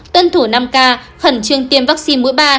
tuân thủ năm k khẩn trương tiêm vaccine mũi ba